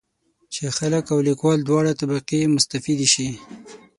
چې خلک او لیکوال دواړه طبقې مستفیدې شي.